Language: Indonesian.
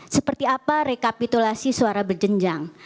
seperti apa rekapitulasi suara berjenjang